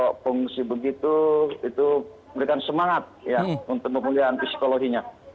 kalau pengungsi begitu itu memberikan semangat ya untuk pemulihan psikologinya